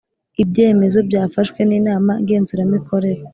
Ibyemezo byafashwe n Inama Ngenzuramikorere